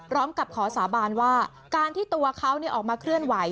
พร้อมกับขอสาบานว่าการที่ตัวเขาออกมาเคลื่อนไหว